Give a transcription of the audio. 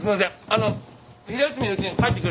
あの昼休みのうちに帰ってくるんで。